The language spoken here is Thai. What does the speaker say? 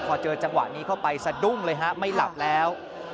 พอเจอจังหวะนี้เข้าไปสะดุ้งเลยฮะไม่หลับแล้ว